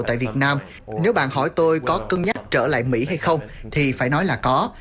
tại việt nam nếu bạn hỏi tôi có cân nhắc trở lại mỹ hay không thì phải nói là có